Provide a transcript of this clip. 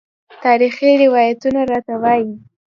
تاریخي روایتونه راته وايي.